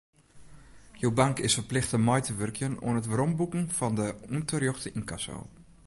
Jo bank is ferplichte mei te wurkjen oan it weromboeken fan de ûnterjochte ynkasso.